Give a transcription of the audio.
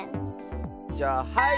じゃあはい！